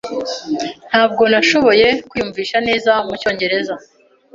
Ntabwo nashoboye kwiyumvisha neza mucyongereza.